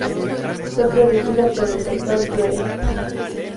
Fue producido por Dr. Dre.